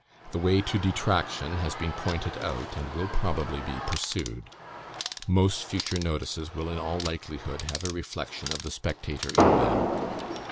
The way to detraction has been pointed out, and will probably be pursued. Most future notices will in all likelihood have a reflection of the Spectator in them.